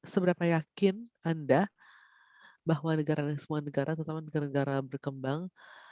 seberapa yakin anda bahwa negara dan semua negara terutama negara negara berkembang